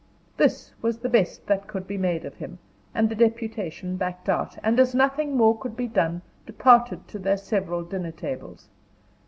This was the best that could be made of him, and the deputation backed out, and as nothing more could be done, departed to their several dinner tables.